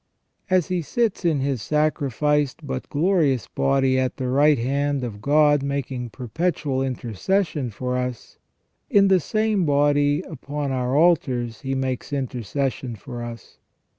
As He sits in His sacrificed but glorious body at the right hand of God "making perpetual intercession for us," in the same body upon our altars He makes intercession for us.